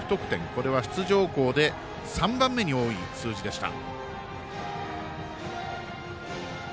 これは出場校で３番目に多い数字でした。